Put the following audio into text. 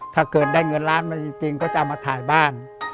ถ้าเกิดได้เงินล้านมาจริงก็จะเอามาถ่ายบ้าน